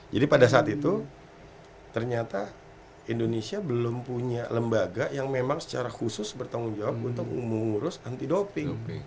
jadi pada saat itu ternyata indonesia belum punya lembaga yang memang secara khusus bertanggung jawab untuk mengurus anti doping